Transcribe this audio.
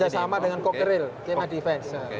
sama dengan kokeril kemah defense